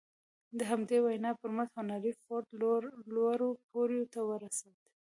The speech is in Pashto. د همدې وينا پر مټ هنري فورډ لوړو پوړيو ته ورسېد.